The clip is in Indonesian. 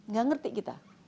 nggak ngerti kita